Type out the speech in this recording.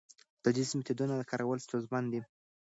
د دودیزو میتودونو کارول ستونزمن دي.